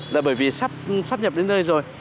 là bởi vì sắp xác nhập đến nơi rồi